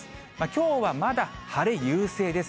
きょうはまだ晴れ優勢です。